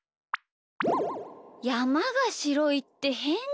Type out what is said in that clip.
やまがしろいってへんじゃない？